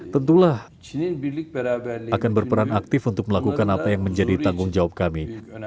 tentulah akan berperan aktif untuk melakukan apa yang menjadi tanggung jawab kami